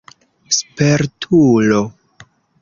spertulo